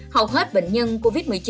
hầu hết bệnh nhân covid một mươi chín